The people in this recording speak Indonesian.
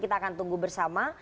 kita akan tunggu bersama